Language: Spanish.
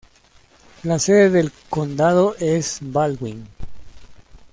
La sede del condado es Baldwin.